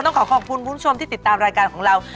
ต้องขอขอบคุณคุณผู้ชมที่ติดตามรายการของเรา